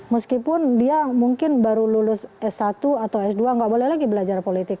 meskipun dia mungkin baru lulus s satu atau s dua nggak boleh lagi belajar politik